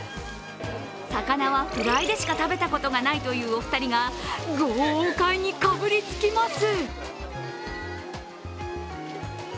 魚はフライでしか食べたことがないというお二人が豪快にかぶりつきます。